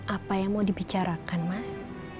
apa yang mau dibicarakan mas